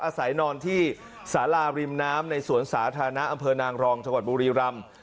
อาศัยนอนที่สาราริมน้ำในสวนสาธารณะอำเภอนางรองจังหวัดบุรีรำ